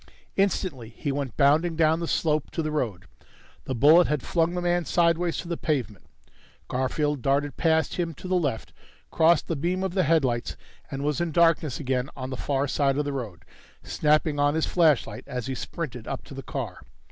Instantly he went bounding down the slope to the road. The bullet had flung the man sideways to the pavement. Garfield darted past him to the left, crossed the beam of the headlights, and was in darkness again on the far side of the road, snapping on his flashlight as he sprinted up to the car.